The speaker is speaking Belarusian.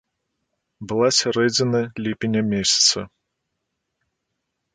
Была сярэдзіна ліпеня месяца.